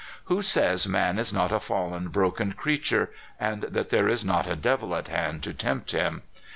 Who says man is not a fallen, broken creature, and that there is not a devil at hand to tempt him?